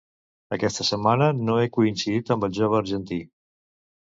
Aquesta setmana no he coincidit amb el jove argentí